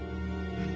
うん。